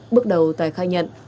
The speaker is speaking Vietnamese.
bước đầu tài khai nhận